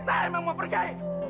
saya memang mau pergi